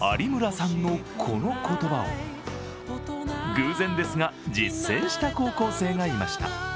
偶然ですが、実践した高校生がいました。